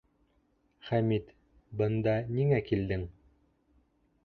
Хәмит, бында ниңә килдең?